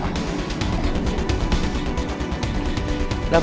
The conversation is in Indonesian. udah berangkat sana